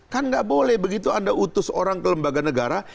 kan nggak boleh begitu anda utus orang ke lembaga negara